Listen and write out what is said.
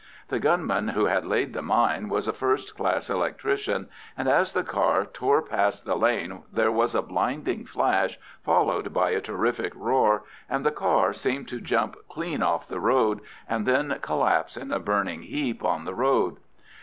The gunman who had laid the mine was a first class electrician, and as the car tore past the lane there was a blinding flash, followed by a terrific roar, and the car seemed to jump clean off the road and then collapse in a burning heap on the road.